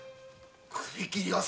首切り朝！